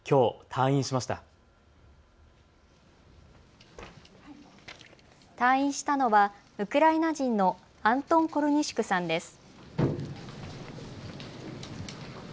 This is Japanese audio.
退院したのはウクライナ人のアントン・コルニシュクさんです。